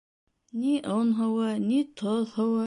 Ни он һыуы, ни тоҙ һыуы.